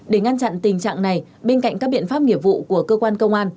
để ngăn chặn tình trạng này bên cạnh các biện pháp nghiệp vụ của cơ quan công an